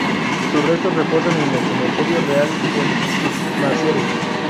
Sus restos reposan en el cementerio real en Maseru.